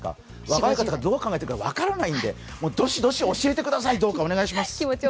若い方たちがどう考えているか分からないんでどしどし教えてください、どうかお願いします！